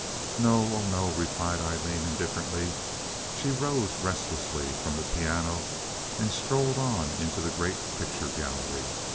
"No—oh no," replied Aileen, indifferently. She rose restlessly from the piano, and strolled on into the great picture gallery.